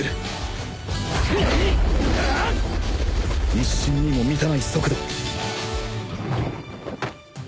一瞬にも満たない速度